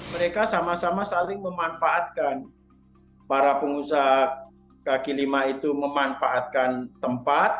mereka sama sama saling memanfaatkan para pengusaha kk lima itu memanfaatkan tempat